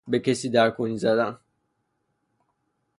به کسی در کونی زدن